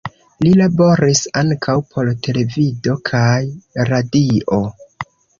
Li laboris ankaŭ por televido kaj radio.